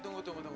what kak sebi